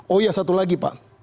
oh iya satu lagi pak